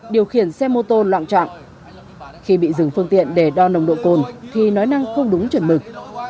điều khiển xe mô tô loạn trọng khi bị dừng phương tiện để đo nồng độ cồn thì nói năng không đúng chuẩn mực